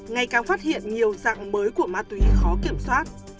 ngày càng phát hiện nhiều dạng mới của ma túy khó kiểm soát